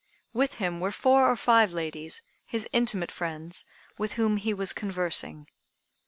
With him were four or five ladies, his intimate friends, with whom he was conversing.